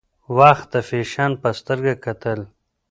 وخت د فیشن په سترګه کتل.